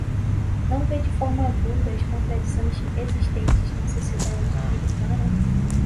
não vê de forma aguda as contradições existentes na sociedade americana